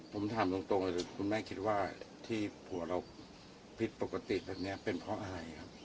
ผมถามตรงเลยคุณแม่คิดว่าที่ผัวเราผิดปกติแบบนี้เป็นเพราะอะไรครับ